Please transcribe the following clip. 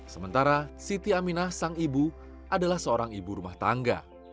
sementara siti aminah sang ibu adalah seorang ibu rumah tangga